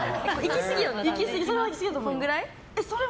こんぐらい？